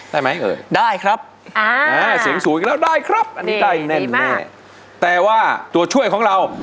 ได้ไหมเอ่ยได้ครับอ่าเสียงสูงอีกแล้วได้ครับอันนี้ได้แน่นแน่แต่ว่าตัวช่วยของเรา